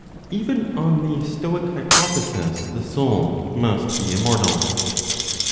EVEN ON THE STOIC HYPOTHESIS THE SOUL MUST BE IMMORTAL. 11.